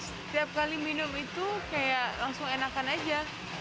setiap kali minum itu kayak langsung enakan aja